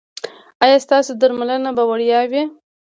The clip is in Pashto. ایا ستاسو درملنه به وړیا وي؟